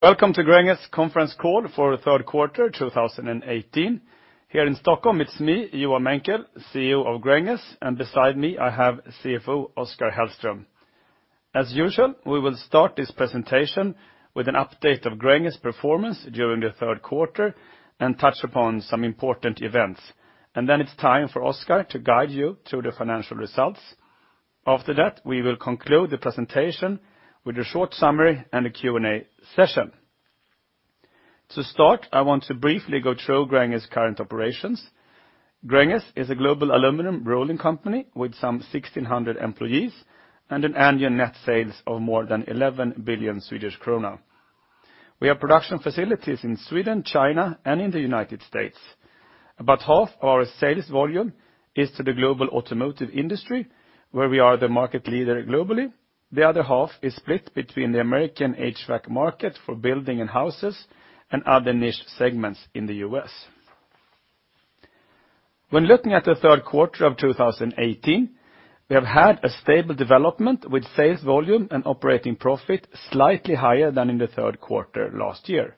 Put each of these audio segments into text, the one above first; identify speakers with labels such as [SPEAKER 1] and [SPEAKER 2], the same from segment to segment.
[SPEAKER 1] Welcome to Gränges conference call for the third quarter 2018. Here in Stockholm, it's me, Johan Menckel, CEO of Gränges, and beside me I have CFO Oskar Hellström. As usual, we will start this presentation with an update of Gränges performance during the third quarter and touch upon some important events. Then it's time for Oskar to guide you through the financial results. After that, we will conclude the presentation with a short summary and a Q&A session. To start, I want to briefly go through Gränges current operations. Gränges is a global aluminum rolling company with some 1,600 employees and an annual net sales of more than 11 billion Swedish krona. We have production facilities in Sweden, China, and in the U.S. About half our sales volume is to the global automotive industry, where we are the market leader globally. The other half is split between the American HVAC market for building and houses and other niche segments in the U.S. When looking at the third quarter of 2018, we have had a stable development with sales volume and operating profit slightly higher than in the third quarter last year.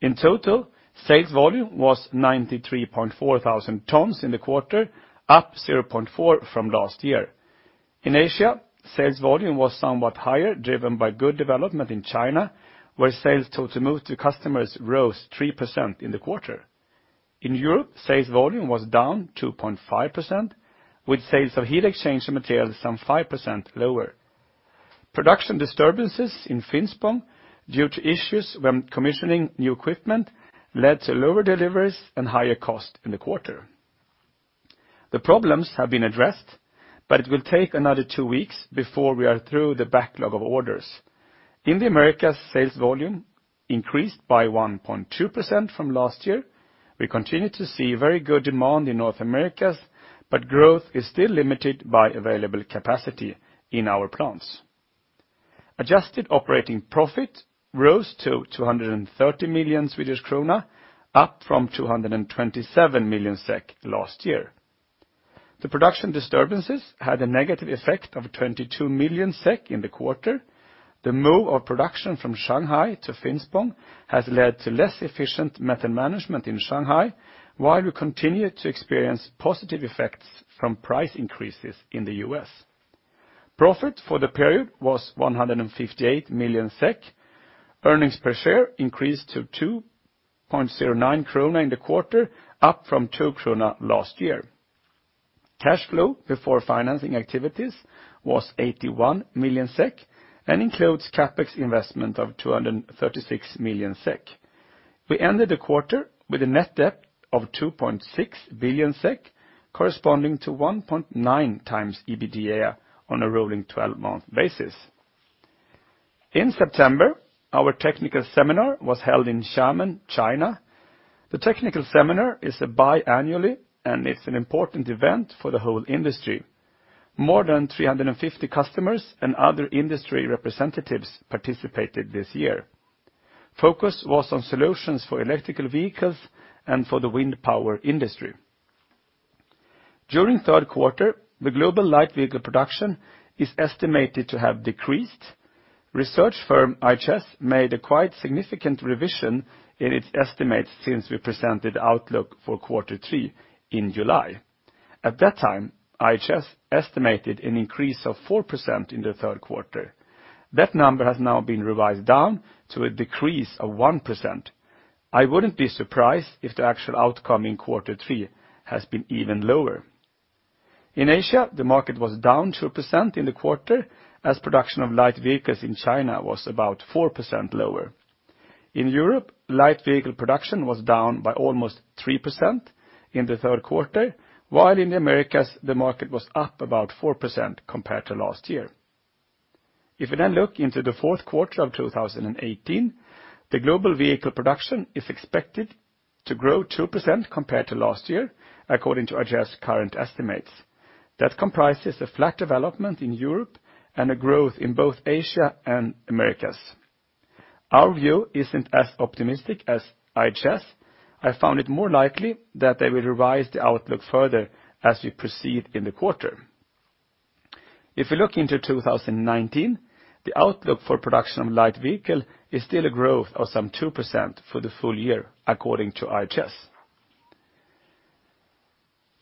[SPEAKER 1] In total, sales volume was 93.4 thousand tons in the quarter, up 0.4% from last year. In Asia, sales volume was somewhat higher, driven by good development in China, where sales to automotive customers rose 3% in the quarter. In Europe, sales volume was down 2.5%, with sales of heat exchange material some 5% lower. Production disturbances in Finspång due to issues when commissioning new equipment led to lower deliveries and higher cost in the quarter. The problems have been addressed, but it will take another two weeks before we are through the backlog of orders. In the Americas, sales volume increased by 1.2% from last year. We continue to see very good demand in North America, but growth is still limited by available capacity in our plants. Adjusted operating profit rose to 230 million Swedish krona, up from 227 million SEK last year. The production disturbances had a negative effect of 22 million SEK in the quarter. The move of production from Shanghai to Finspång has led to less efficient metal management in Shanghai, while we continue to experience positive effects from price increases in the U.S. Profit for the period was 158 million SEK. Earnings per share increased to 2.09 krona in the quarter, up from 2 krona last year. Cash flow before financing activities was 81 million SEK and includes CapEx investment of 236 million SEK. We ended the quarter with a net debt of 2.6 billion SEK, corresponding to 1.9 times EBITDA on a rolling 12-month basis. In September, our technical seminar was held in Xiamen, China. The technical seminar is a biannual, and it's an important event for the whole industry. More than 350 customers and other industry representatives participated this year. Focus was on solutions for electrical vehicles and for the wind power industry. During third quarter, the global light vehicle production is estimated to have decreased. Research firm IHS Markit a quite significant revision in its estimates since we presented outlook for quarter three in July. At that time, IHS estimated an increase of 4% in the third quarter. That number has now been revised down to a decrease of 1%. I wouldn't be surprised if the actual outcome in quarter three has been even lower. We then look into the fourth quarter of 2018, the global vehicle production is expected to grow 2% compared to last year, according to IHS current estimates. That comprises a flat development in Europe and a growth in both Asia and Americas. Our view isn't as optimistic as IHS. I found it more likely that they will revise the outlook further as we proceed in the quarter. We look into 2019, the outlook for production of light vehicle is still a growth of some 2% for the full year, according to IHS.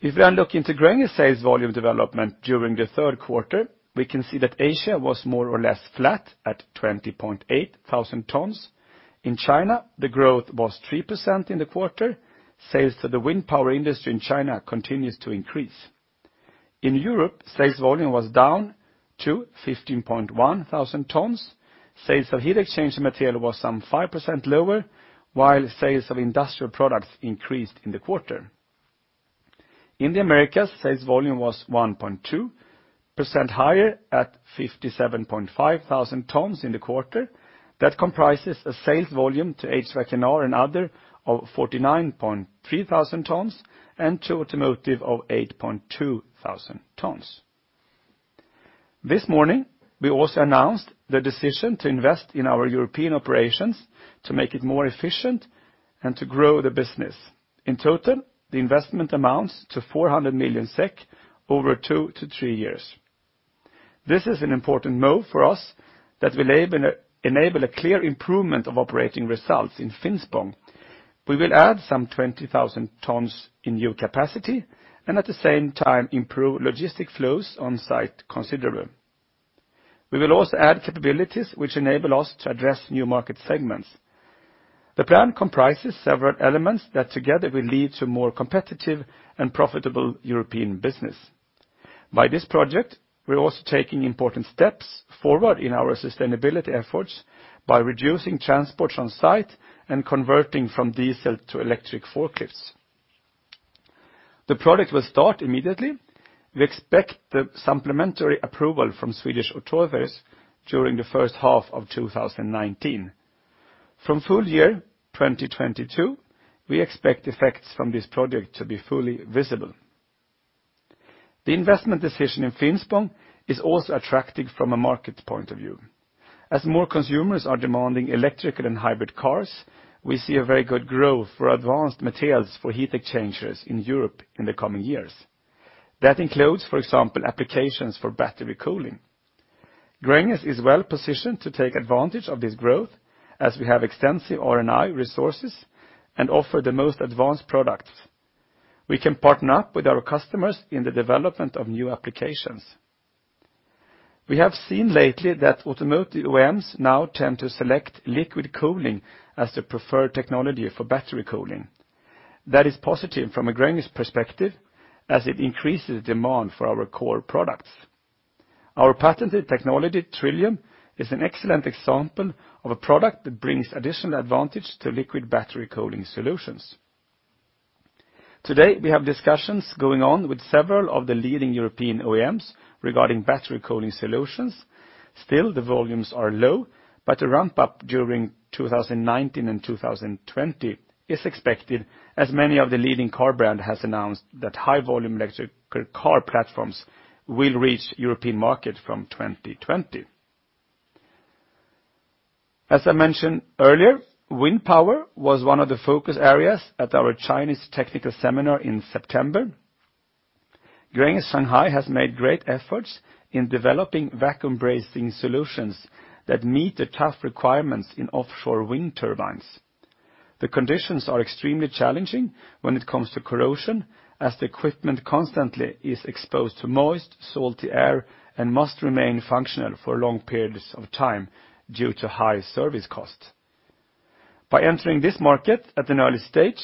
[SPEAKER 1] In Asia, the market was down 2% in the quarter, as production of light vehicles in China was about 4% lower. In Europe, light vehicle production was down by almost 3% in the third quarter, while in the Americas, the market was up about 4% compared to last year. We are looking to Gränges sales volume development during the third quarter, we can see that Asia was more or less flat at 20.8 thousand tons. In China, the growth was 3% in the quarter. Sales to the wind power industry in China continues to increase. In Europe, sales volume was down to 15.1 thousand tons. Sales of heat exchange material was some 5% lower, while sales of industrial products increased in the quarter. In the Americas, sales volume was 1.2% higher at 57.5 thousand tons in the quarter. That comprises a sales volume to HVAC/R and other of 49.3 thousand tons and to automotive of 8.2 thousand tons. This morning, we also announced the decision to invest in our European operations to make it more efficient and to grow the business. In total, the investment amounts to 400 million SEK over two to three years. This is an important move for us that will enable a clear improvement of operating results in Finspång. We will add some 20,000 tons in new capacity and at the same time improve logistic flows on site considerably. We will also add capabilities which enable us to address new market segments. The plan comprises several elements that together will lead to more competitive and profitable European business. By this project, we're also taking important steps forward in our sustainability efforts by reducing transports on site and converting from diesel to electric forklifts. The project will start immediately. We expect the supplementary approval from Swedish authorities during the first half of 2019. From full year 2022, we expect effects from this project to be fully visible. The investment decision in Finspång is also attractive from a market point of view. As more consumers are demanding electrical and hybrid cars, we see a very good growth for advanced materials for heat exchangers in Europe in the coming years. That includes, for example, applications for battery cooling. Gränges is well-positioned to take advantage of this growth as we have extensive R&I resources and offer the most advanced products. We can partner up with our customers in the development of new applications. We have seen lately that automotive OEMs now tend to select liquid cooling as the preferred technology for battery cooling. That is positive from a Gränges perspective as it increases demand for our core products. Our patented technology, TRILLIUM, is an excellent example of a product that brings additional advantage to liquid battery cooling solutions. Today, we have discussions going on with several of the leading European OEMs regarding battery cooling solutions. Still, the volumes are low, but a ramp-up during 2019 and 2020 is expected, as many of the leading car brand has announced that high volume electrical car platforms will reach European market from 2020. As I mentioned earlier, wind power was one of the focus areas at our Chinese technical seminar in September. Gränges Shanghai has made great efforts in developing vacuum brazing solutions that meet the tough requirements in offshore wind turbines. The conditions are extremely challenging when it comes to corrosion, as the equipment constantly is exposed to moist, salty air and must remain functional for long periods of time due to high service costs. By entering this market at an early stage,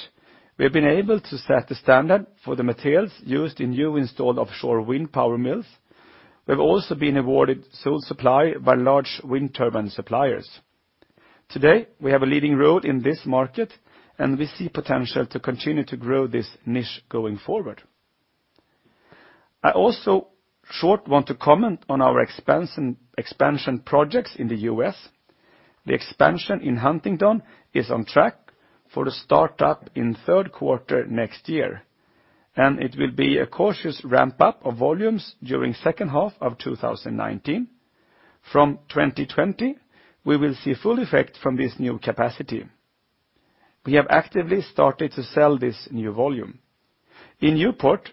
[SPEAKER 1] we have been able to set the standard for the materials used in new installed offshore wind power mills. We've also been awarded sole supply by large wind turbine suppliers. Today, we have a leading role in this market, and we see potential to continue to grow this niche going forward. I also short want to comment on our expansion projects in the U.S. The expansion in Huntingdon is on track for the start-up in third quarter next year, and it will be a cautious ramp-up of volumes during second half of 2019. From 2020, we will see full effect from this new capacity. We have actively started to sell this new volume. In Newport,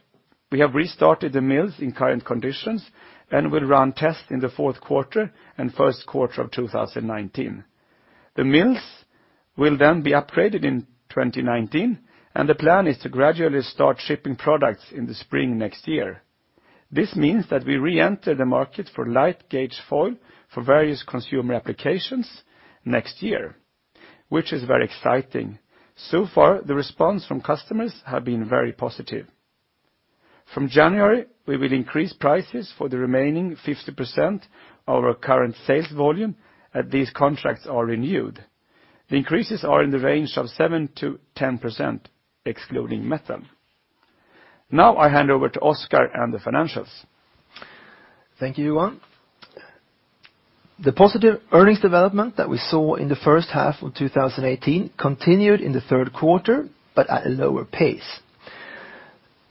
[SPEAKER 1] we have restarted the mills in current conditions and will run tests in the fourth quarter and first quarter of 2019. The mills will be upgraded in 2019, and the plan is to gradually start shipping products in the spring next year. This means that we reenter the market for light gauge foil for various consumer applications next year, which is very exciting. So far, the response from customers have been very positive. From January, we will increase prices for the remaining 50% of our current sales volume as these contracts are renewed. The increases are in the range of 7%-10%, excluding metal. I hand over to Oskar and the financials.
[SPEAKER 2] Thank you, Johan. The positive earnings development that we saw in the first half of 2018 continued in the third quarter, but at a lower pace.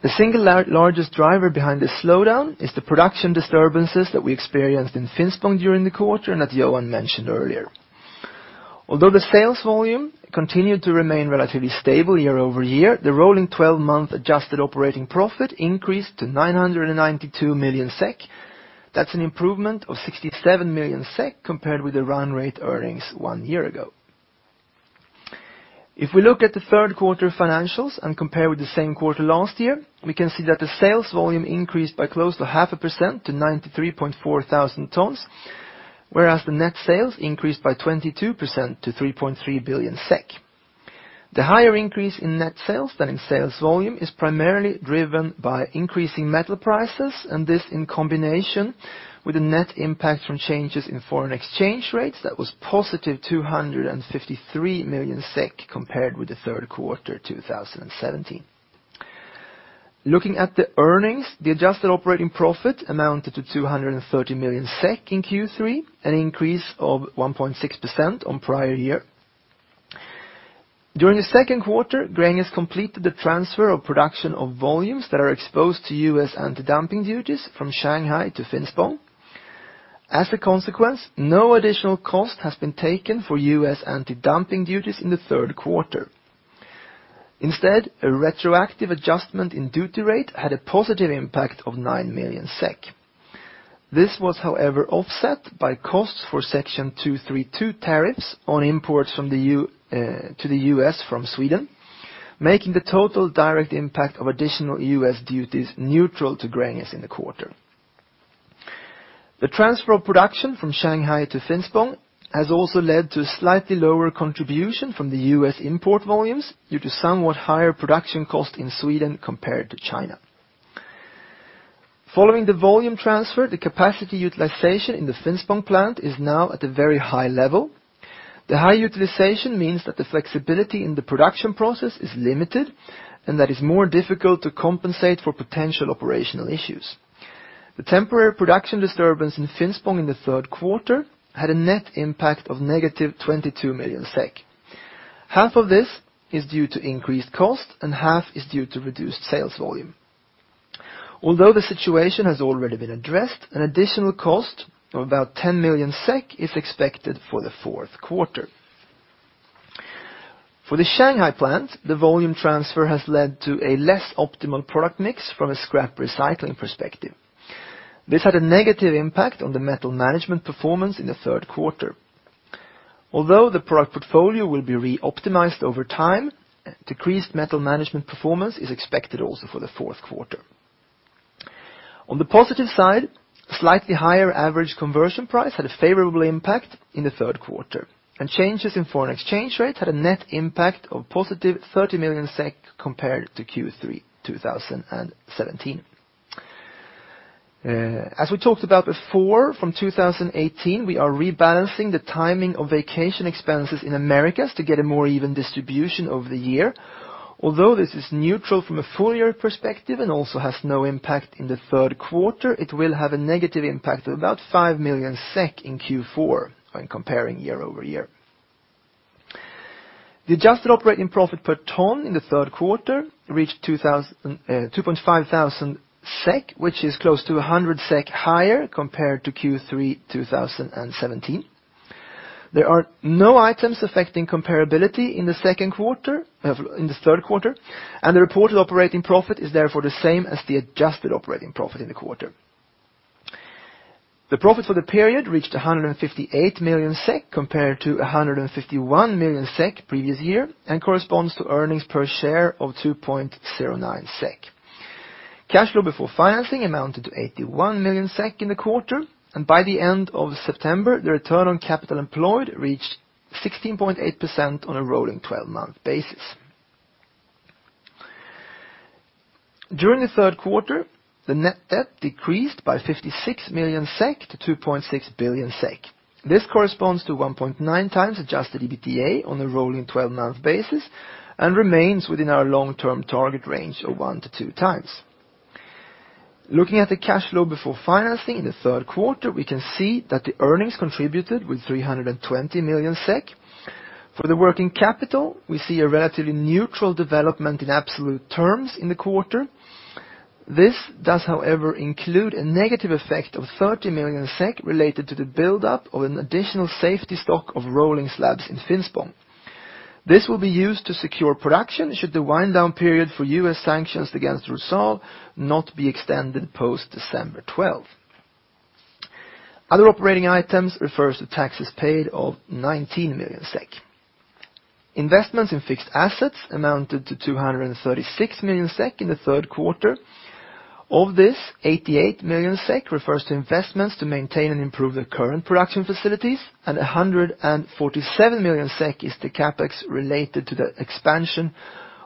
[SPEAKER 2] The single largest driver behind this slowdown is the production disturbances that we experienced in Finspång during the quarter, and that Johan mentioned earlier. Although the sales volume continued to remain relatively stable year-over-year, the rolling 12-month adjusted operating profit increased to 992 million SEK. That's an improvement of 67 million SEK compared with the run rate earnings one year ago. If we look at the third quarter financials and compare with the same quarter last year, we can see that the sales volume increased by close to half a percent to 93,400 tons, whereas the net sales increased by 22% to 3.3 billion SEK. The higher increase in net sales than in sales volume is primarily driven by increasing metal prices. This in combination with the net impact from changes in foreign exchange rates, that was positive 253 million SEK compared with the third quarter 2017. Looking at the earnings, the adjusted operating profit amounted to 230 million SEK in Q3, an increase of 1.6% on prior year. During the second quarter, Gränges has completed the transfer of production of volumes that are exposed to U.S. anti-dumping duties from Shanghai to Finspång. As a consequence, no additional cost has been taken for U.S. anti-dumping duties in the third quarter. Instead, a retroactive adjustment in duty rate had a positive impact of 9 million SEK. This was, however, offset by costs for Section 232 tariffs on imports to the U.S. from Sweden, making the total direct impact of additional U.S. duties neutral to Gränges in the quarter. The transfer of production from Shanghai to Finspång has also led to slightly lower contribution from the U.S. import volumes due to somewhat higher production cost in Sweden compared to China. Following the volume transfer, the capacity utilization in the Finspång plant is now at a very high level. The high utilization means that the flexibility in the production process is limited. That is more difficult to compensate for potential operational issues. The temporary production disturbance in Finspång in the third quarter had a net impact of negative 22 million SEK. Half of this is due to increased cost and half is due to reduced sales volume. Although the situation has already been addressed, an additional cost of about 10 million SEK is expected for the fourth quarter. For the Shanghai plant, the volume transfer has led to a less optimal product mix from a scrap recycling perspective. This had a negative impact on the metal management performance in the third quarter. Although the product portfolio will be re-optimized over time, decreased metal management performance is expected also for the fourth quarter. On the positive side, slightly higher average conversion price had a favorable impact in the third quarter. Changes in foreign exchange rates had a net impact of positive 30 million SEK compared to Q3 2017. As we talked about before, from 2018, we are rebalancing the timing of vacation expenses in Americas to get a more even distribution over the year. Although this is neutral from a full year perspective and also has no impact in the third quarter, it will have a negative impact of about 5 million SEK in Q4 when comparing year-over-year. The adjusted operating profit per ton in the third quarter reached 2,500 SEK, which is close to 100 SEK higher compared to Q3 2017. There are no items affecting comparability in the third quarter. The reported operating profit is therefore the same as the adjusted operating profit in the quarter. The profit for the period reached 158 million SEK compared to 151 million SEK previous year, and corresponds to earnings per share of 2.09 SEK. Cash flow before financing amounted to 81 million SEK in the quarter. By the end of September, the return on capital employed reached 16.8% on a rolling 12-month basis. During the third quarter, the net debt decreased by 56 million SEK to 2.6 billion SEK. This corresponds to 1.9 times adjusted EBITDA on a rolling 12-month basis and remains within our long-term target range of one to two times. Looking at the cash flow before financing in the third quarter, we can see that the earnings contributed with 320 million SEK. For the working capital, we see a relatively neutral development in absolute terms in the quarter. This does, however, include a negative effect of 30 million SEK related to the buildup of an additional safety stock of rolling slabs in Finspång. This will be used to secure production should the wind down period for U.S. sanctions against Rusal not be extended post December 12th. Other operating items refers to taxes paid of 19 million SEK. Investments in fixed assets amounted to 236 million SEK in the third quarter. Of this, 88 million SEK refers to investments to maintain and improve the current production facilities. 147 million SEK is the CapEx related to the expansion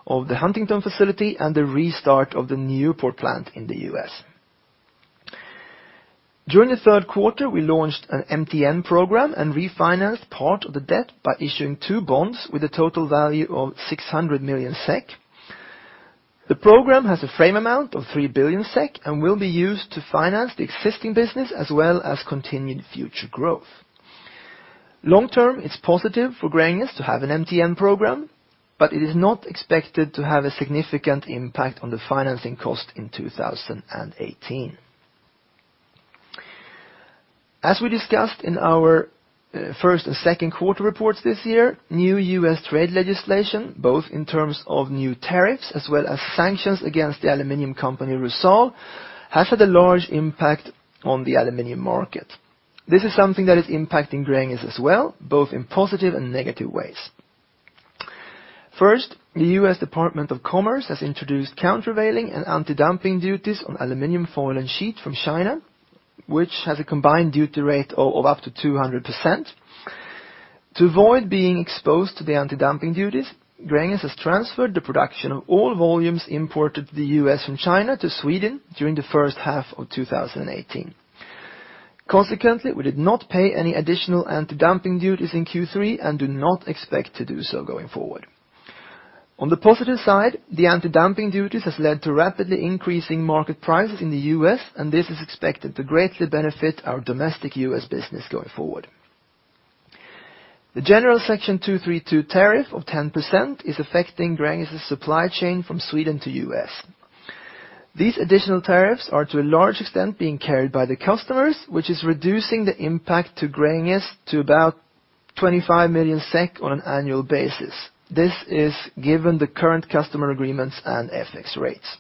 [SPEAKER 2] of the Huntingdon facility and the restart of the Newport plant in the U.S. During the third quarter, we launched an MTN program and refinanced part of the debt by issuing two bonds with a total value of 600 million SEK. The program has a frame amount of 3 billion SEK and will be used to finance the existing business as well as continued future growth. Long term, it's positive for Gränges to have an MTN program, but it is not expected to have a significant impact on the financing cost in 2018. As we discussed in our first and second quarter reports this year, new U.S. trade legislation, both in terms of new tariffs as well as sanctions against the aluminum company Rusal, has had a large impact on the aluminum market. This is something that is impacting Gränges as well, both in positive and negative ways. First, the U.S. Department of Commerce has introduced countervailing and anti-dumping duties on aluminum foil and sheet from China, which has a combined duty rate of up to 200%. To avoid being exposed to the anti-dumping duties, Gränges has transferred the production of all volumes imported to the U.S. from China to Sweden during the first half of 2018. Consequently, we did not pay any additional anti-dumping duties in Q3 and do not expect to do so going forward. On the positive side, the anti-dumping duties has led to rapidly increasing market prices in the U.S. This is expected to greatly benefit our domestic U.S. business going forward. The general Section 232 tariff of 10% is affecting Gränges' supply chain from Sweden to U.S. These additional tariffs are to a large extent being carried by the customers, which is reducing the impact to Gränges to about 25 million SEK on an annual basis. This is given the current customer agreements and FX rates.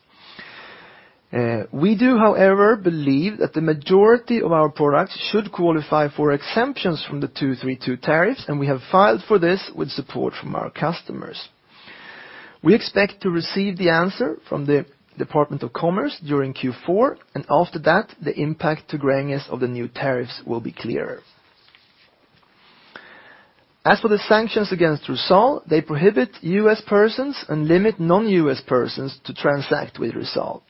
[SPEAKER 2] We do, however, believe that the majority of our products should qualify for exemptions from the 232 tariffs. We have filed for this with support from our customers. We expect to receive the answer from the Department of Commerce during Q4. After that, the impact to Gränges of the new tariffs will be clearer. As for the sanctions against Rusal, they prohibit U.S. persons and limit non-U.S. persons to transact with Rusal.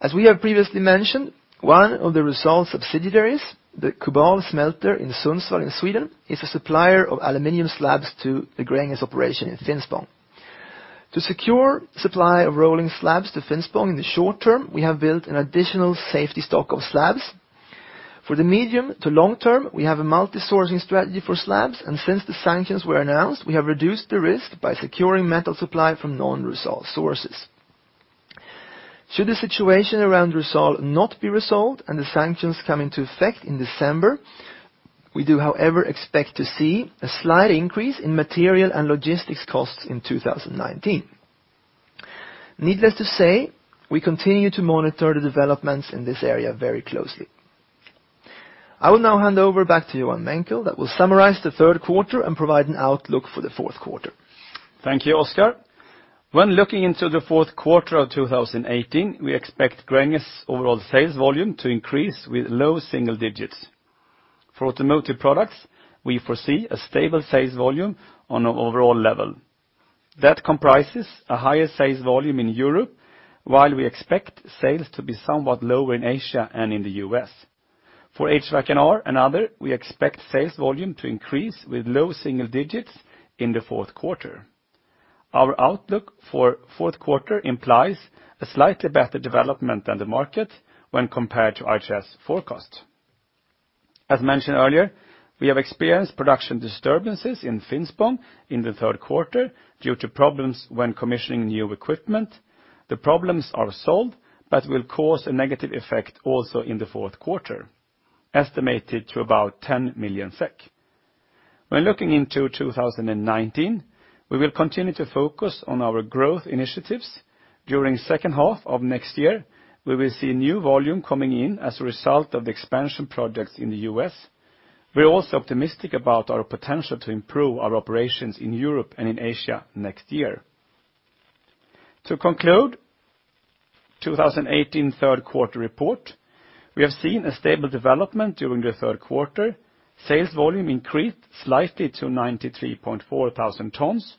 [SPEAKER 2] As we have previously mentioned, one of the Rusal subsidiaries, the Kubal smelter in Sundsvall in Sweden, is a supplier of aluminum slabs to the Gränges operation in Finspång. To secure supply of rolling slabs to Finspång in the short term, we have built an additional safety stock of slabs. For the medium to long term, we have a multi-sourcing strategy for slabs, and since the sanctions were announced, we have reduced the risk by securing metal supply from non-Rusal sources. Should the situation around Rusal not be resolved and the sanctions come into effect in December, we do however expect to see a slight increase in material and logistics costs in 2019. Needless to say, we continue to monitor the developments in this area very closely. I will now hand over back to Johan Menckel who will summarize the third quarter and provide an outlook for the fourth quarter.
[SPEAKER 1] Thank you, Oskar. When looking into the fourth quarter of 2018, we expect Gränges' overall sales volume to increase with low single digits. For automotive products, we foresee a stable sales volume on an overall level. That comprises a higher sales volume in Europe, while we expect sales to be somewhat lower in Asia and in the U.S. For HVAC/R and other, we expect sales volume to increase with low single digits in the fourth quarter. Our outlook for fourth quarter implies a slightly better development than the market when compared to IHS forecast. As mentioned earlier, we have experienced production disturbances in Finspång in the third quarter due to problems when commissioning new equipment. The problems are solved but will cause a negative effect also in the fourth quarter, estimated to about 10 million SEK. When looking into 2019, we will continue to focus on our growth initiatives. During the second half of next year, we will see new volume coming in as a result of the expansion projects in the U.S. We're also optimistic about our potential to improve our operations in Europe and in Asia next year. To conclude 2018 third quarter report, we have seen a stable development during the third quarter. Sales volume increased slightly to 93.4 thousand tons.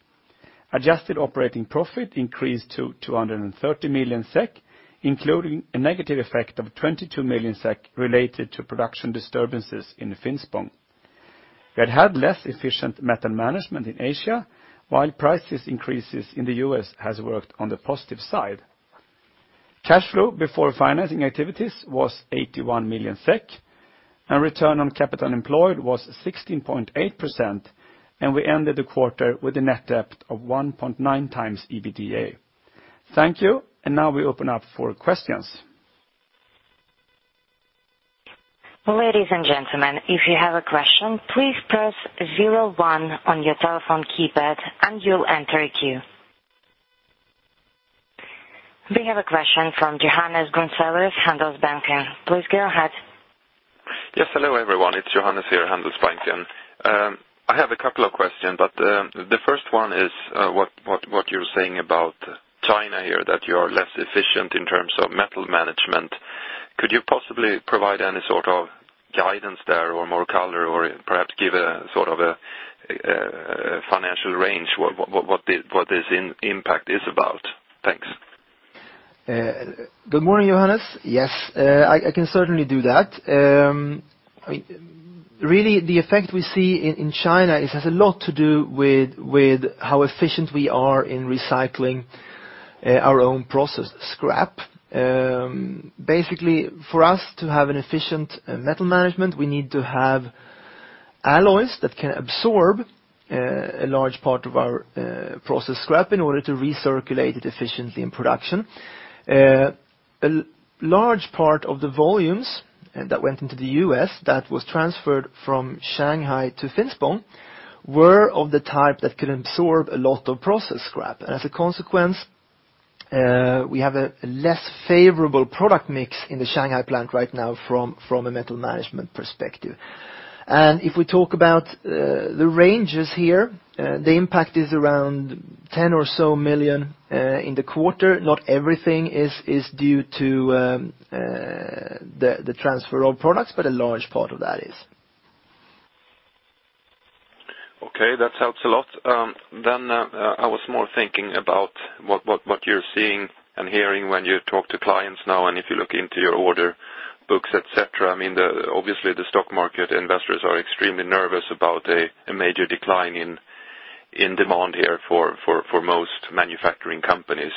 [SPEAKER 1] Adjusted operating profit increased to 230 million SEK, including a negative effect of 22 million SEK related to production disturbances in Finspång. We had less efficient metal management in Asia, while price increases in the U.S. has worked on the positive side. Cash flow before financing activities was 81 million SEK, and return on capital employed was 16.8%, and we ended the quarter with a net debt of 1.9 times EBITDA. Thank you, and now we open up for questions.
[SPEAKER 3] Ladies and gentlemen, if you have a question, please press 01 on your telephone keypad and you'll enter a queue. We have a question from Johannes Gunselius, Handelsbanken. Please go ahead.
[SPEAKER 4] Yes. Hello, everyone. It's Johannes here, Handelsbanken. I have a couple of questions. The first one is what you're saying about China here, that you are less efficient in terms of metal management. Could you possibly provide any sort of guidance there or more color, or perhaps give a financial range what this impact is about? Thanks.
[SPEAKER 2] Good morning, Johannes. Yes, I can certainly do that. The effect we see in China, it has a lot to do with how efficient we are in recycling our own process scrap. For us to have an efficient metal management, we need to have alloys that can absorb a large part of our process scrap in order to recirculate it efficiently in production. A large part of the volumes that went into the U.S. that was transferred from Shanghai to Finspång were of the type that could absorb a lot of process scrap. As a consequence, we have a less favorable product mix in the Shanghai plant right now from a metal management perspective. If we talk about the ranges here, the impact is around 10 million or so in the quarter. Not everything is due to the transfer of products, a large part of that is.
[SPEAKER 4] Okay, that helps a lot. I was more thinking about what you're seeing and hearing when you talk to clients now, and if you look into your order books, et cetera. Obviously the stock market investors are extremely nervous about a major decline in demand here for most manufacturing companies.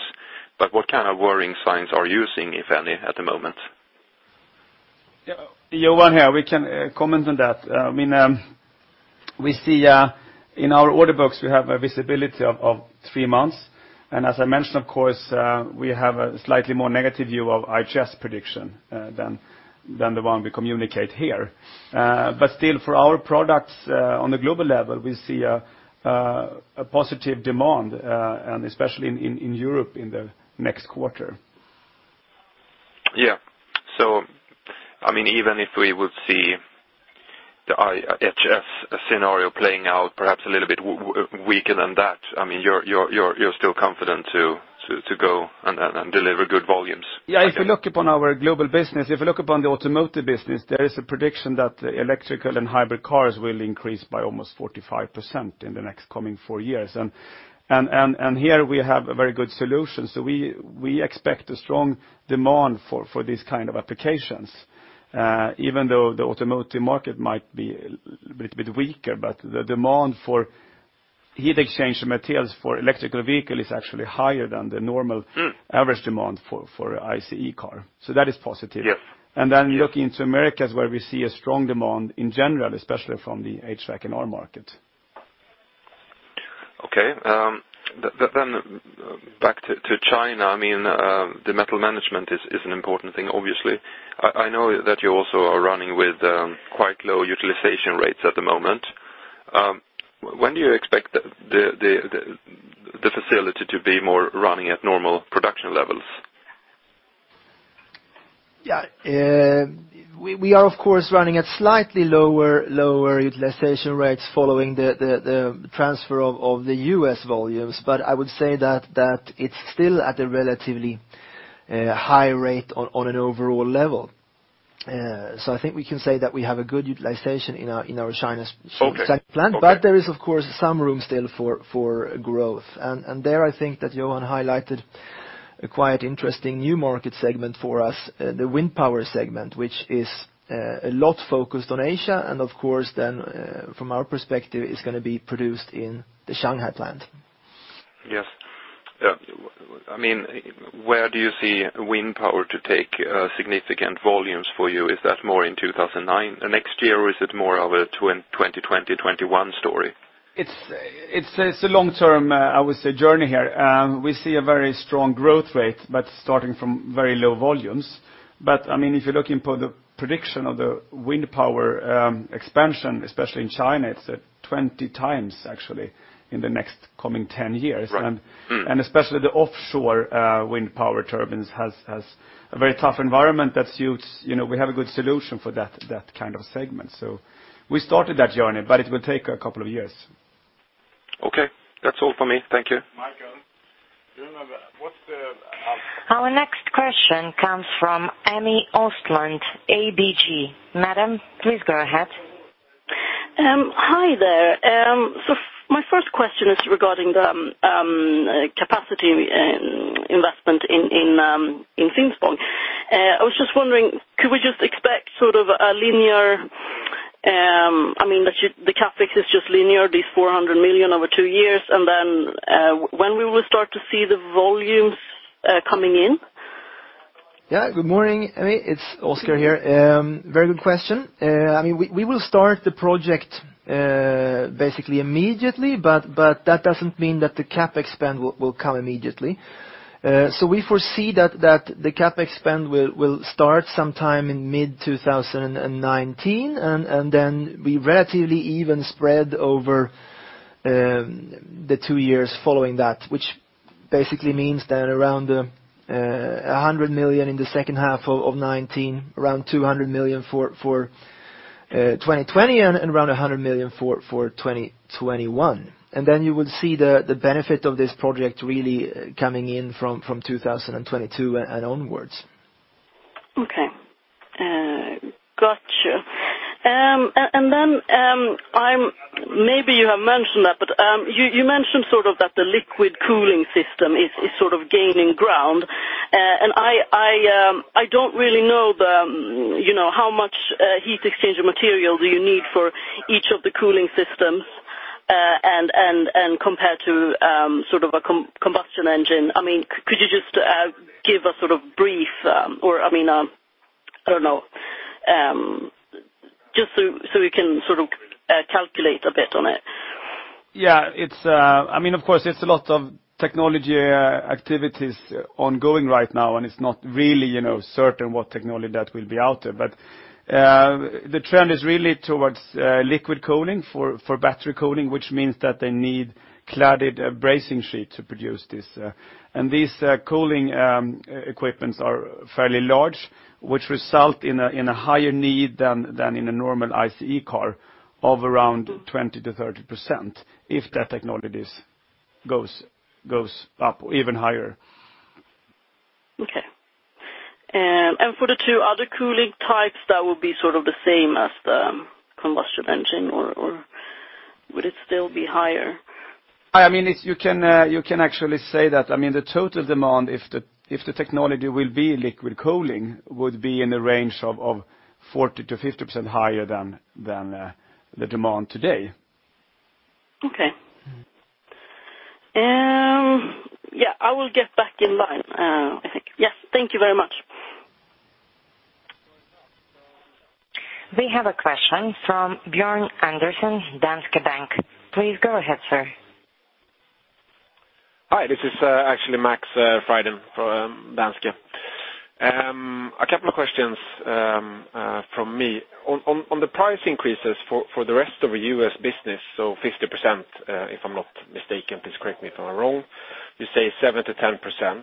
[SPEAKER 4] What kind of worrying signs are you seeing, if any, at the moment?
[SPEAKER 1] Johan here, we can comment on that. We see in our order books we have a visibility of three months. As I mentioned, of course, we have a slightly more negative view of IHS prediction than the one we communicate here. Still for our products, on a global level, we see a positive demand, especially in Europe in the next quarter.
[SPEAKER 4] Yeah. Even if we would see the IHS scenario playing out perhaps a little bit weaker than that, you're still confident to go and deliver good volumes?
[SPEAKER 1] Yeah, if you look upon our global business, if you look upon the automotive business, there is a prediction that electrical and hybrid cars will increase by almost 45% in the next coming four years. Here we have a very good solution. We expect a strong demand for these kind of applications. Even though the automotive market might be a little bit weaker, the demand for heat exchange materials for electrical vehicle is actually higher than the normal average demand for ICE car. That is positive.
[SPEAKER 4] Yeah.
[SPEAKER 1] Looking to Americas, where we see a strong demand in general, especially from the HVAC and R market.
[SPEAKER 4] Okay. Back to China, the metal management is an important thing, obviously. I know that you also are running with quite low utilization rates at the moment. When do you expect the facility to be more running at normal production levels?
[SPEAKER 2] We are, of course, running at slightly lower utilization rates following the transfer of the U.S. volumes. I would say that it's still at a relatively high rate on an overall level. I think we can say that we have a good utilization in our China site plant.
[SPEAKER 4] Okay.
[SPEAKER 2] There is, of course, some room still for growth. There, I think that Johan highlighted a quite interesting new market segment for us, the wind power segment, which is a lot focused on Asia, and of course, then from our perspective, is going to be produced in the Shanghai plant.
[SPEAKER 4] Yes. Where do you see wind power to take significant volumes for you? Is that more in 2009, next year, or is it more of a 2020-2021 story?
[SPEAKER 1] It's a long-term, I would say, journey here. We see a very strong growth rate, but starting from very low volumes. If you're looking for the prediction of the wind power expansion, especially in China, it's at 20 times, actually, in the next coming 10 years.
[SPEAKER 4] Right.
[SPEAKER 1] Especially the offshore wind power turbines has a very tough environment. We have a good solution for that kind of segment. We started that journey, but it will take a couple of years.
[SPEAKER 4] Okay. That's all for me. Thank you.
[SPEAKER 2] Michael.
[SPEAKER 3] Our next question comes from Emmi Östlund, ABG. Madam, please go ahead.
[SPEAKER 5] Hi there. My first question is regarding the capacity investment in Finspång. I was just wondering, could we just expect a linear, I mean, the CapEx is just linear, this 400 million over two years, when we will start to see the volumes coming in?
[SPEAKER 2] Yeah. Good morning, Emmi, it's Oskar here. Very good question. We will start the project basically immediately, that doesn't mean that the CapEx spend will come immediately. We foresee that the CapEx spend will start sometime in mid-2019, be relatively even spread over the two years following that, which basically means that around 100 million in the second half of 2019, around 200 million for 2020, around 100 million for 2021. You would see the benefit of this project really coming in from 2022 and onwards.
[SPEAKER 5] Okay. Got you. Then, maybe you have mentioned that, you mentioned sort of that the liquid cooling system is sort of gaining ground. I don't really know how much heat exchange material do you need for each of the cooling systems, compared to a combustion engine. Could you just give a sort of brief, or I don't know, just so we can calculate a bit on it?
[SPEAKER 1] Yeah. Of course, it's a lot of technology activities ongoing right now. It's not really certain what technology that will be out there. The trend is really towards liquid cooling for battery cooling, which means that they need cladded brazing sheet to produce this. These cooling equipments are fairly large, which result in a higher need than in a normal ICE car of around 20%-30%, if that technologies goes up even higher.
[SPEAKER 5] Okay. For the two other cooling types, that would be the same as the combustion engine, or would it still be higher?
[SPEAKER 1] You can actually say that the total demand, if the technology will be liquid cooling, would be in the range of 40%-50% higher than the demand today.
[SPEAKER 5] Okay.
[SPEAKER 1] I will get back in line, I think. Yes, thank you very much.
[SPEAKER 3] We have a question from Björn Enarson, Danske Bank. Please go ahead, sir.
[SPEAKER 6] Hi, this is actually Max Fryden for Danske. A couple of questions from me. On the price increases for the rest of your U.S. business, 50%, if I'm not mistaken, please correct me if I'm wrong. You say 7%-10%.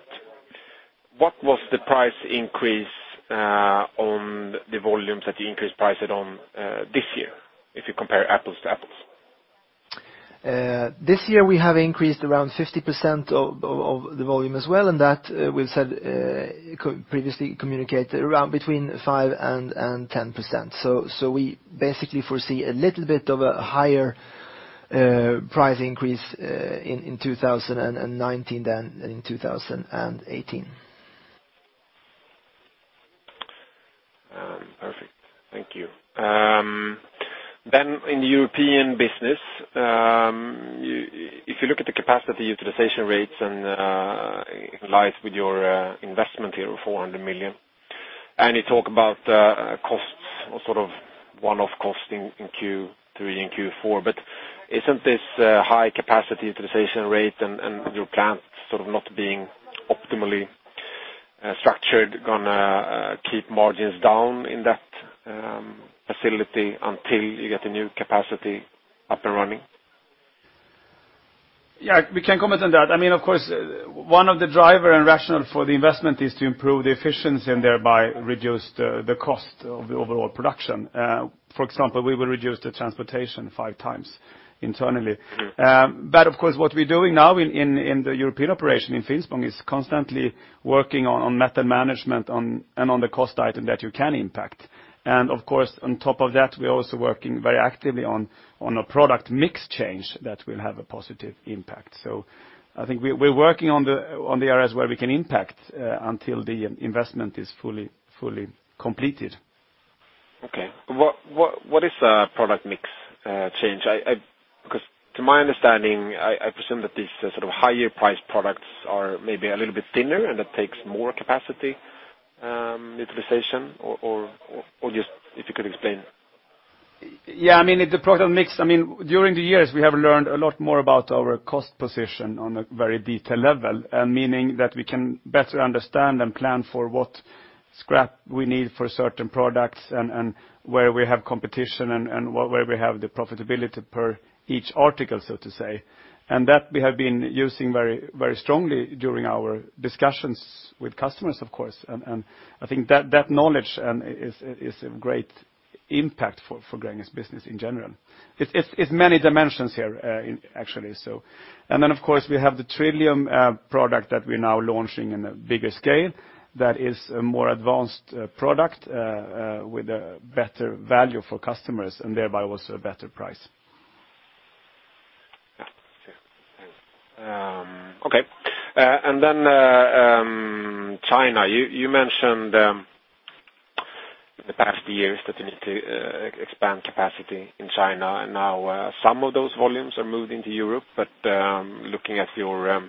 [SPEAKER 6] What was the price increase on the volumes that you increased prices on this year, if you compare apples to apples?
[SPEAKER 1] This year, we have increased around 50% of the volume as well. That we've previously communicated around between 5% and 10%. We basically foresee a little bit of a higher price increase in 2019 than in 2018.
[SPEAKER 6] Perfect. Thank you. In the European business, if you look at the capacity utilization rates in light with your investment here of 400 million, you talk about costs or one-off costs in Q3 and Q4. Isn't this high-capacity utilization rate and your plants not being optimally structured going to keep margins down in that facility until you get the new capacity up and running?
[SPEAKER 1] We can comment on that. Of course, one of the driver and rational for the investment is to improve the efficiency and thereby reduce the cost of the overall production. For example, we will reduce the transportation five times internally. Of course, what we're doing now in the European operation in Finspång is constantly working on metal management and on the cost item that you can impact. Of course, on top of that, we're also working very actively on a product mix change that will have a positive impact. I think we're working on the areas where we can impact until the investment is fully completed.
[SPEAKER 6] Okay. What is a product mix change? To my understanding, I presume that these sort of higher priced products are maybe a little bit thinner and it takes more capacity utilization, or just if you could explain.
[SPEAKER 1] The product mix, during the years, we have learned a lot more about our cost position on a very detailed level, meaning that we can better understand and plan for what scrap we need for certain products and where we have competition and where we have the profitability per each article, so to say. That we have been using very strongly during our discussions with customers, of course. I think that knowledge is a great impact for Gränges business in general. It's many dimensions here, actually. Then, of course, we have the TRILLIUM product that we're now launching in a bigger scale that is a more advanced product with a better value for customers and thereby also a better price.
[SPEAKER 6] Okay. Thanks. Okay. Then China, you mentioned in the past years that you need to expand capacity in China, and now some of those volumes are moving to Europe. Looking at your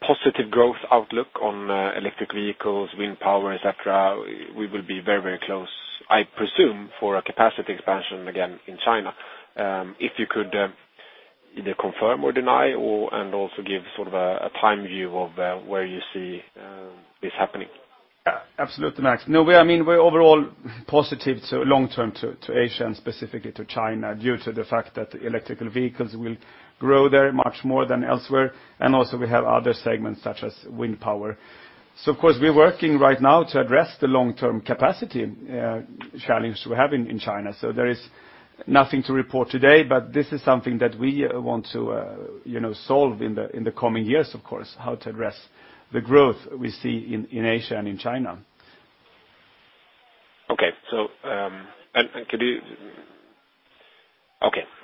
[SPEAKER 6] positive growth outlook on electric vehicles, wind power, et cetera, we will be very close, I presume, for a capacity expansion again in China. If you could either confirm or deny and also give a time view of where you see this happening.
[SPEAKER 1] Max, we're overall positive long-term to Asia and specifically to China due to the fact that electrical vehicles will grow there much more than elsewhere. We have other segments such as wind power. Of course, we're working right now to address the long-term capacity challenge we have in China. There is nothing to report today, but this is something that we want to solve in the coming years, of course, how to address the growth we see in Asia and in China.
[SPEAKER 6] Okay.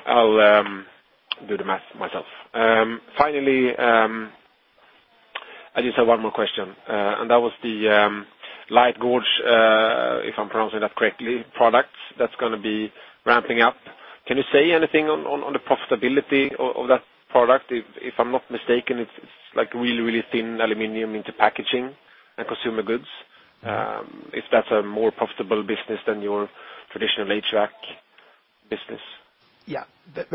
[SPEAKER 6] I'll do the math myself. Finally, I just have one more question, that was the light gauge, if I'm pronouncing that correctly, products that's going to be ramping up. Can you say anything on the profitability of that product? If I'm not mistaken, it's really thin aluminum into packaging and consumer goods. If that's a more profitable business than your traditional HVAC business.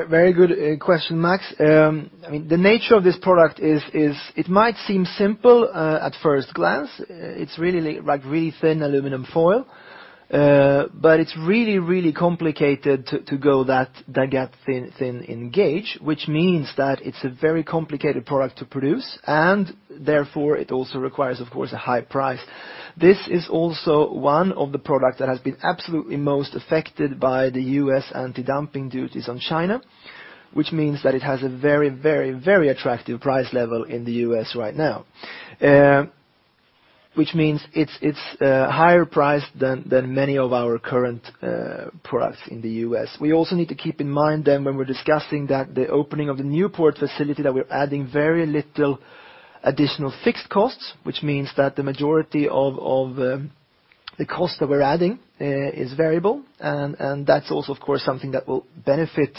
[SPEAKER 1] Very good question, Max. The nature of this product is it might seem simple at first glance. It's really thin aluminum foil, it's really complicated to go that thin in gauge, which means that it's a very complicated product to produce, and therefore it also requires, of course, a high price. This is also one of the products that has been absolutely most affected by the U.S. anti-dumping duties on China, which means that it has a very attractive price level in the U.S. right now, which means it's higher priced than many of our current products in the U.S. We also need to keep in mind then when we're discussing that the opening of the Newport facility, that we're adding very little additional fixed costs, which means that the majority of
[SPEAKER 2] The cost that we're adding is variable, that's also, of course, something that will benefit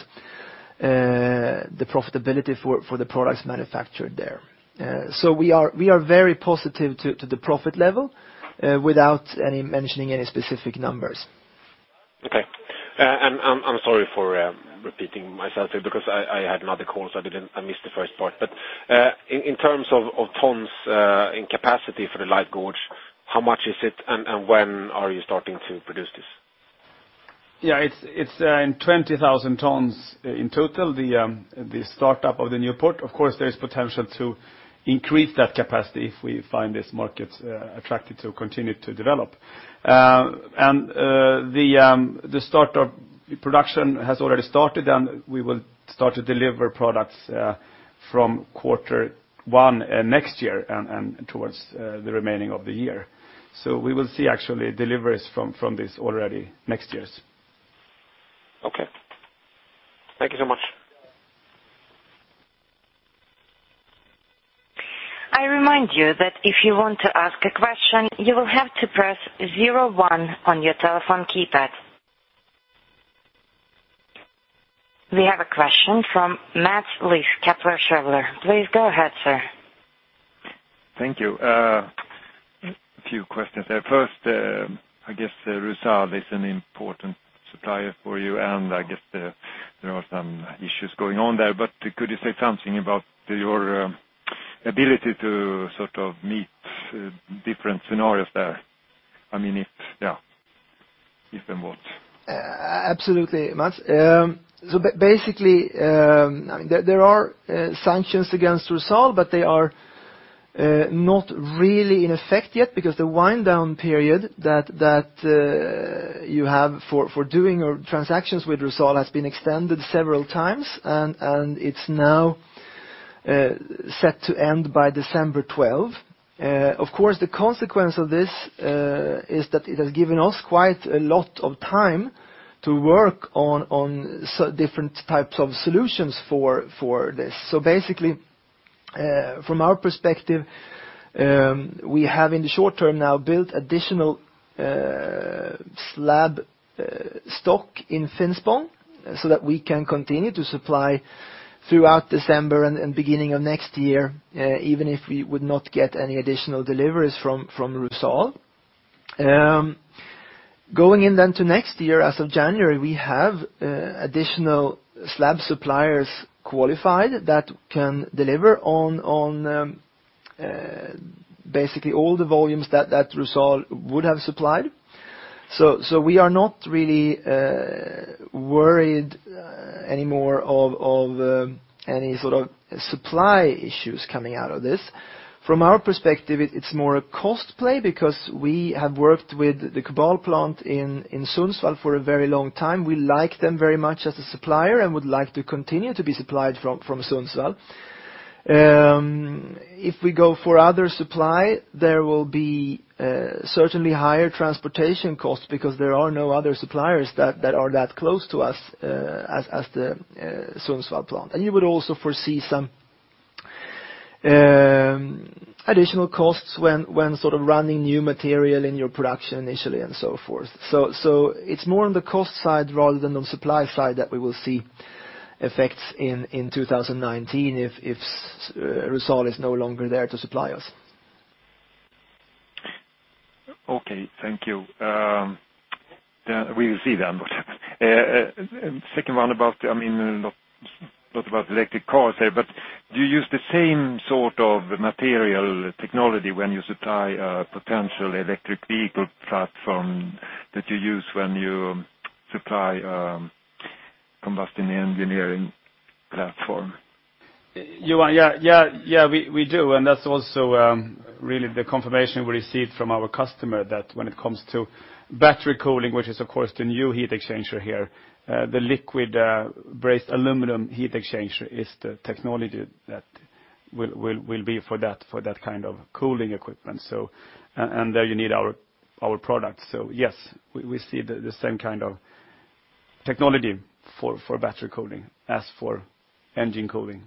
[SPEAKER 2] the profitability for the products manufactured there. We are very positive to the profit level without mentioning any specific numbers.
[SPEAKER 6] Okay. I'm sorry for repeating myself here because I had another call, so I missed the first part. In terms of tons in capacity for the light gauge, how much is it, and when are you starting to produce this?
[SPEAKER 2] Yeah, it's in 20,000 tons in total, the startup of the Newport. Of course, there is potential to increase that capacity if we find this market attractive to continue to develop. The production has already started, and we will start to deliver products from quarter one next year and towards the remaining of the year. We will see actually deliveries from this already next year.
[SPEAKER 6] Okay. Thank you so much.
[SPEAKER 3] I remind you that if you want to ask a question, you will have to press 01 on your telephone keypad. We have a question from Mats Liss, Kepler Cheuvreux. Please go ahead, sir.
[SPEAKER 7] Thank you. A few questions there. First, I guess Rusal is an important supplier for you, and I guess there are some issues going on there, but could you say something about your ability to meet different scenarios there? I mean, if and what.
[SPEAKER 2] Absolutely, Mats. Basically, there are sanctions against Rusal, but they are not really in effect yet because the wind down period that you have for doing your transactions with Rusal has been extended several times, and it's now set to end by December 12. Of course, the consequence of this is that it has given us quite a lot of time to work on different types of solutions for this. Basically, from our perspective, we have in the short term now built additional slab stock in Finspång so that we can continue to supply throughout December and beginning of next year, even if we would not get any additional deliveries from Rusal. Going in then to next year, as of January, we have additional slab suppliers qualified that can deliver on basically all the volumes that Rusal would have supplied. We are not really worried anymore of any sort of supply issues coming out of this. From our perspective, it's more a cost play because we have worked with the Kubal plant in Sundsvall for a very long time. We like them very much as a supplier and would like to continue to be supplied from Sundsvall. If we go for other supply, there will be certainly higher transportation costs because there are no other suppliers that are that close to us as the Sundsvall plant. You would also foresee some additional costs when running new material in your production initially and so forth. It's more on the cost side rather than the supply side that we will see effects in 2019 if Rusal is no longer there to supply us.
[SPEAKER 7] Okay, thank you. Second one about, not about electric cars here, but do you use the same sort of material technology when you supply a potential electric vehicle platform that you use when you supply a compacting engineering platform?
[SPEAKER 1] Yeah, we do, and that's also really the confirmation we received from our customer that when it comes to battery cooling, which is of course the new heat exchanger here, the liquid brazed aluminum heat exchanger is the technology that will be for that kind of cooling equipment. There you need our products. Yes, we see the same kind of technology for battery cooling as for engine cooling.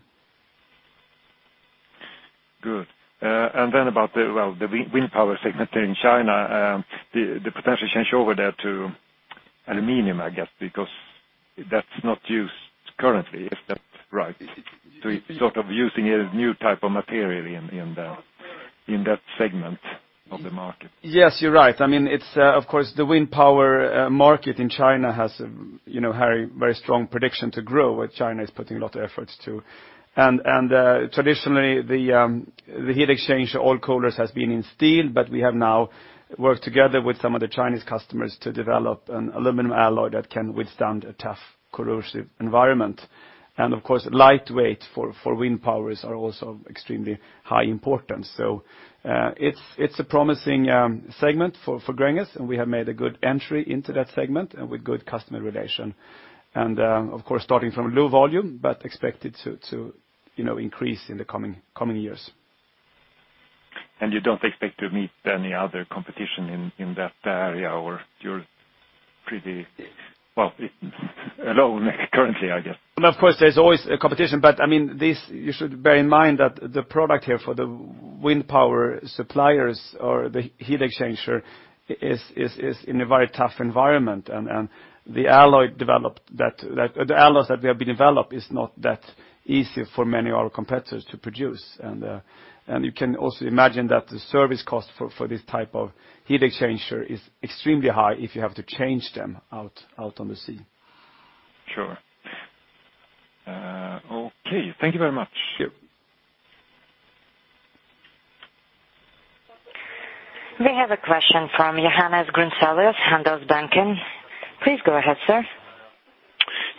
[SPEAKER 7] Good. Then about the wind power segment there in China, the potential changeover there to aluminum, I guess, because that's not used currently, if that's right. It's sort of using a new type of material in that segment of the market.
[SPEAKER 1] Yes, you're right. Of course, the wind power market in China has a very strong prediction to grow, where China is putting a lot of efforts to. Traditionally, the heat exchange oil coolers has been in steel, but we have now worked together with some of the Chinese customers to develop an aluminum alloy that can withstand a tough corrosive environment. Of course, lightweight for wind powers are also extremely high importance. It's a promising segment for Gränges, and we have made a good entry into that segment and with good customer relation. Of course, starting from low volume, but expected to increase in the coming years.
[SPEAKER 7] You don't expect to meet any other competition in that area? Pretty well alone currently, I guess.
[SPEAKER 1] Of course, there's always competition, you should bear in mind that the product here for the wind power suppliers or the heat exchanger, is in a very tough environment, the alloys that have been developed are not that easy for many of our competitors to produce. You can also imagine that the service cost for this type of heat exchanger is extremely high if you have to change them out on the sea.
[SPEAKER 7] Sure. Okay, thank you very much.
[SPEAKER 1] Sure.
[SPEAKER 3] We have a question from Johannes Grunselius, Handelsbanken. Please go ahead, sir.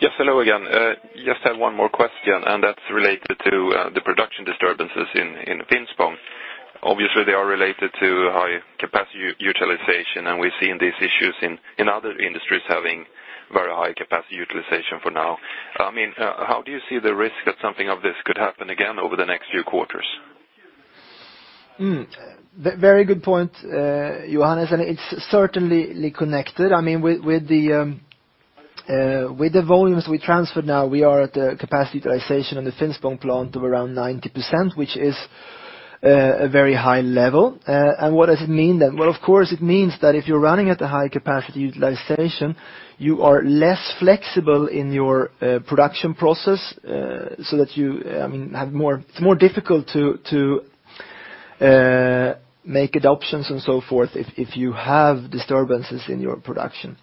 [SPEAKER 4] Yes. Hello again. Just have one more question that's related to the production disturbances in Finspång. Obviously, they are related to high capacity utilization, we're seeing these issues in other industries having very high capacity utilization for now. How do you see the risk that something of this could happen again over the next few quarters?
[SPEAKER 2] Very good point, Johannes, it's certainly connected. With the volumes we transfer now, we are at the capacity utilization on the Finspång plant of around 90%, which is a very high level. What does it mean then? Well, of course, it means that if you're running at a high capacity utilization, you are less flexible in your production process, so it's more difficult to make adoptions and so forth if you have disturbances in your production.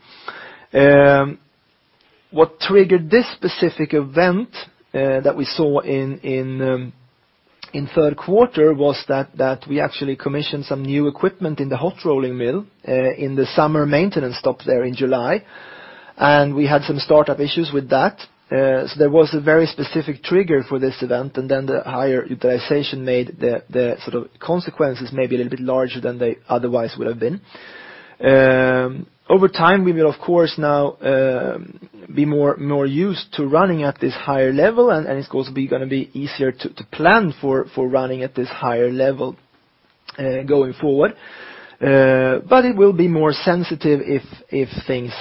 [SPEAKER 2] What triggered this specific event that we saw in third quarter was that we actually commissioned some new equipment in the hot rolling mill in the summer maintenance stop there in July, and we had some startup issues with that. There was a very specific trigger for this event, and then the higher utilization made the consequences maybe a little bit larger than they otherwise would have been. Over time, we will of course now be more used to running at this higher level, and it's going to be easier to plan for running at this higher level going forward. It will be more sensitive if things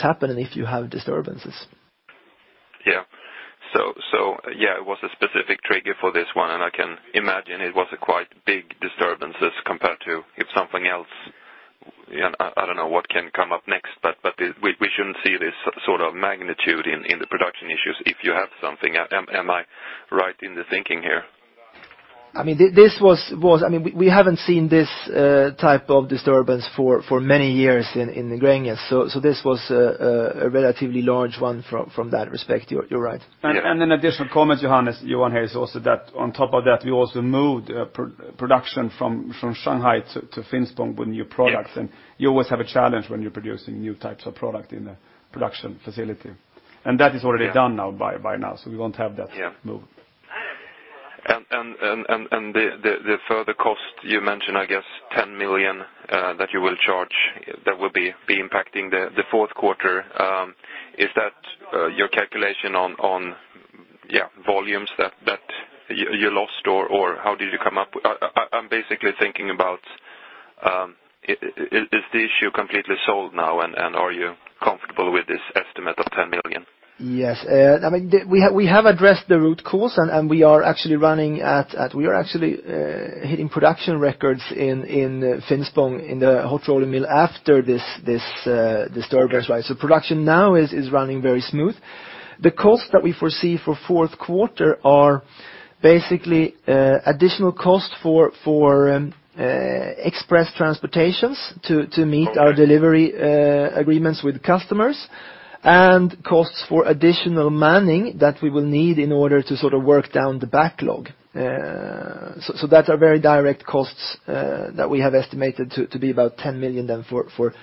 [SPEAKER 2] happen and if you have disturbances.
[SPEAKER 4] Yeah. It was a specific trigger for this one, and I can imagine it was a quite big disturbances compared to if something else, I don't know what can come up next, but we shouldn't see this sort of magnitude in the production issues if you have something. Am I right in the thinking here?
[SPEAKER 2] We haven't seen this type of disturbance for many years in Gränges. This was a relatively large one from that respect. You're right.
[SPEAKER 1] An additional comment, Johannes. Johan here, on top of that, we also moved production from Shanghai to Finspång with new products.
[SPEAKER 4] Yes.
[SPEAKER 1] You always have a challenge when you're producing new types of product in a production facility. That is already done by now, so we won't have that move.
[SPEAKER 4] Yeah. The further cost you mentioned, I guess 10 million, that you will charge that will be impacting the fourth quarter. Is that your calculation on volumes that you lost, or how did you come up? I'm basically thinking about, is the issue completely solved now, and are you comfortable with this estimate of 10 million?
[SPEAKER 2] Yes. We have addressed the root cause, and we are actually hitting production records in Finspång in the hot rolling mill after this disturbance. Production now is running very smooth. The costs that we foresee for fourth quarter are basically additional cost for express transportations to meet our delivery agreements with customers, and costs for additional manning that we will need in order to work down the backlog. That are very direct costs that we have estimated to be about 10 million then for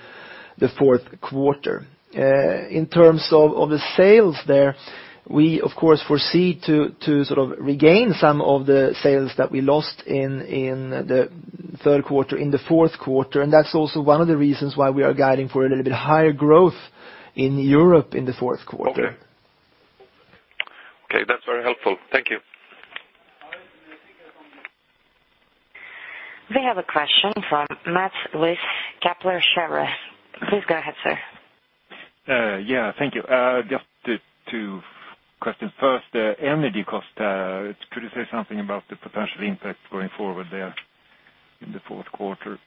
[SPEAKER 2] the fourth quarter. In terms of the sales there, we of course foresee to regain some of the sales that we lost in the third quarter, in the fourth quarter, and that's also one of the reasons why we are guiding for a little bit higher growth in Europe in the fourth quarter.
[SPEAKER 4] Okay. That's very helpful. Thank you.
[SPEAKER 3] We have a question from Mats Liss, sir. Please go ahead, sir.
[SPEAKER 7] Yeah. Thank you. Just two questions. First, energy cost. Could you say something about the potential impact going forward there in the fourth quarter?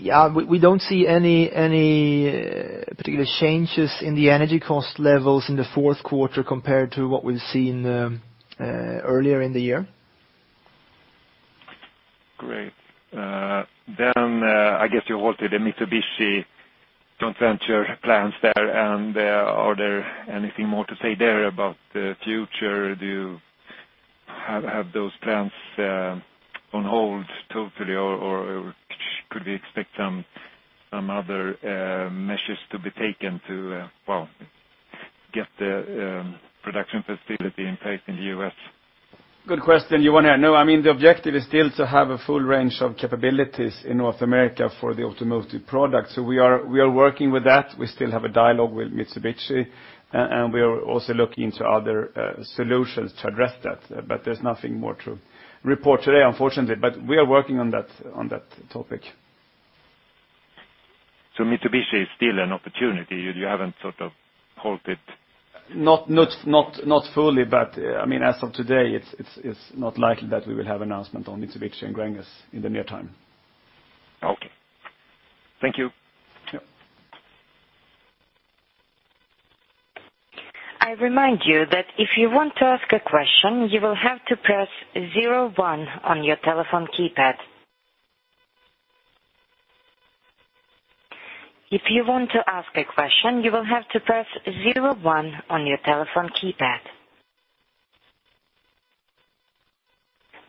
[SPEAKER 2] Yeah. We don't see any particular changes in the energy cost levels in the fourth quarter compared to what we've seen earlier in the year.
[SPEAKER 7] Great. I guess you halted the Mitsubishi joint venture plans there. Are there anything more to say there about the future? Do you have those plans on hold totally, or could we expect some other measures to be taken to get the production facility in place in the U.S.?
[SPEAKER 2] Good question. You want to know, the objective is still to have a full range of capabilities in North America for the automotive product. We are working with that. We still have a dialogue with Mitsubishi, and we are also looking into other solutions to address that. There's nothing more to report today, unfortunately. We are working on that topic.
[SPEAKER 7] Mitsubishi is still an opportunity. You haven't sort of halted
[SPEAKER 2] Not fully. As of today, it's not likely that we will have announcement on Mitsubishi and Gränges in the near time.
[SPEAKER 7] Okay. Thank you.
[SPEAKER 2] Yep.
[SPEAKER 3] I remind you that if you want to ask a question, you will have to press 01 on your telephone keypad. If you want to ask a question, you will have to press 01 on your telephone keypad.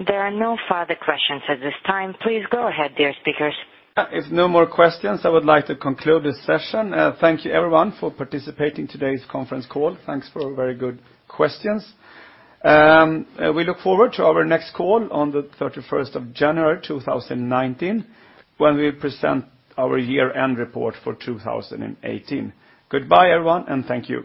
[SPEAKER 3] There are no further questions at this time. Please go ahead, dear speakers.
[SPEAKER 2] If no more questions, I would like to conclude this session. Thank you everyone for participating today's conference call. Thanks for all very good questions. We look forward to our next call on the 31st of January, 2019, when we present our year-end report for 2018. Goodbye, everyone, and thank you.